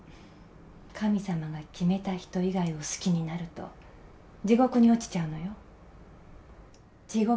神様が決めた人以外を好きになると、地獄に落ちちゃうのよ。